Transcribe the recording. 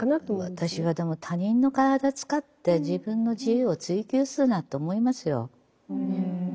私はでも他人の体使って自分の自由を追求するなと思いますよ。